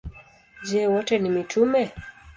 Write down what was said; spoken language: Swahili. Je, wote ni mitume?